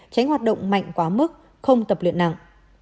tránh hoạt động mạnh quá mức không tập luyện nặng